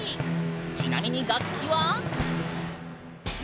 ちなみに楽器は。